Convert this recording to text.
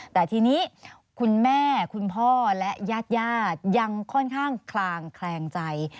แต่ทีนี้คุณแม่คุณพ่อและญาติยังค่อนข้างคลางแคลงใจ